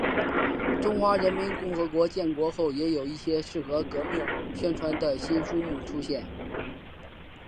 中华人民共和国建国后也有一些适应革命宣传的新书目出现。